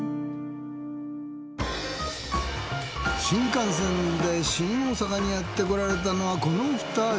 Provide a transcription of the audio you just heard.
新幹線で新大阪にやってこられたのはこのお二人。